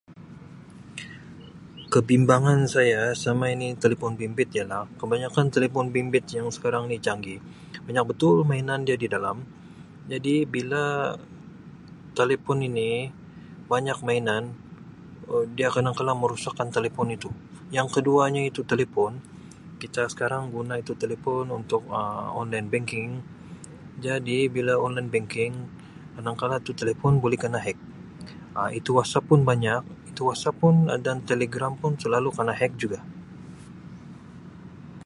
Kebimbangan saya sama ini telefon bimbit ialah kebanyakan telefon bimbit yang sekarang ini canggih banyak betul mainan dia di dalam jadi bila talipun ini banyak mainan Um dia kadang-kadang merosakkan telefon itu. Yang keduanya itu telefon kita sekarang guna itu telefon untuk online banking jadi bila online banking kadangkala tu telefon bole kana hack Um itu wasap pun banyak itu wasap pun dan Telegram pun selalu kena hack juga.